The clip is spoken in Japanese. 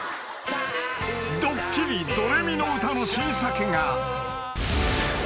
［ドッキリ『ドレミのうた』の新作が］